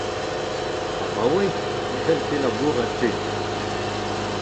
Abaoe ne c'hell ket labourat ken.